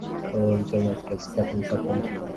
Waturuki wakati wa enzi ya Ottoman Wanaishi